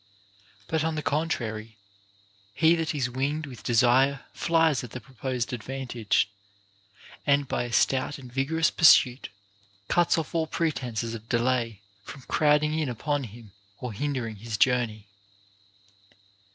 But, on the contrary, he that is winged with desire flies at the proposed advantage, and by a stout and vigorous pursuit cuts off all pretences of delay from crowding in upon him or hindering his journey.